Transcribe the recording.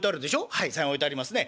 「はい３円置いてありますね」。